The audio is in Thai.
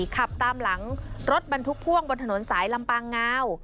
ขับตามหลังรถบรรทุกพ่วงบนถนนสายลำปางงาว